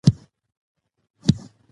لوستې نجونې د ټولنې همغږي ټينګوي.